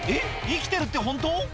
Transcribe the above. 生きてるってホント？